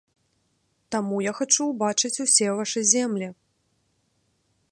Таму я хачу ўбачыць усе вашы землі.